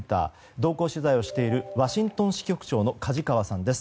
同行取材をしているワシントン支局長の梶川さんです。